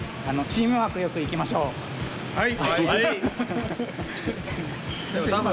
はい！